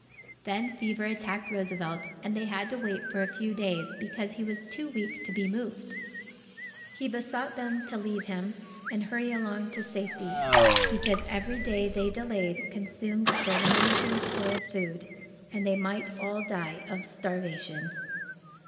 Then fever attacked Roosevelt, and they had to wait for a few days, because he was too weak to be moved. He besought them to leave him and hurry along to safety, because every day they delayed consumed their diminishing store of food, and they might all die of starvation.